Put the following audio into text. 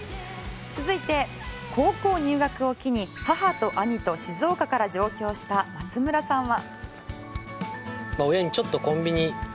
続いて、高校入学を機に母と兄と静岡から上京した松村さんは。